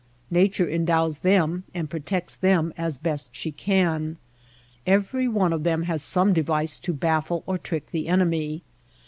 Nature endows them and protects them as best she can. Every one of them has some device to baffle or trick the enemy.